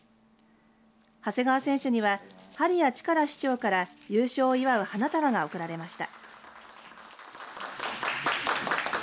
長谷川選手には針谷力市長から優勝を祝う花束が贈られました。